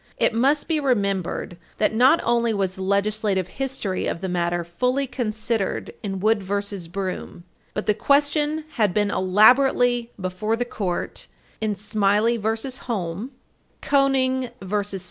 It must be remembered that not only was the legislative history of the matter fully considered in Wood v. Broom, but the question had been elaborately before the Court in Smiley v. Holm, 285 U. S. 355, Koenig v.